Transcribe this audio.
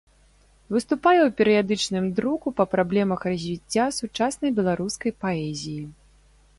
Выступае ў перыядычным друку па праблемах развіцця сучаснай беларускай паэзіі.